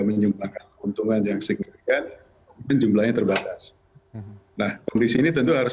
menyumbangkan keuntungan yang signifikan mungkin jumlahnya terbatas nah kondisi ini tentu harus